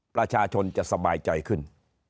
ประชาชนจะสบายใจขึ้น